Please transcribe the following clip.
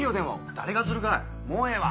誰がするかいもうええわ。